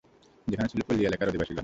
সেখানে ছিল পল্লী এলাকার অধিবাসিগণ।